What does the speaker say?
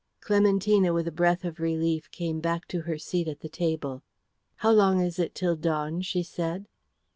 Clementina with a breath of relief came back to her seat at the table. "How long is it till dawn?" she said.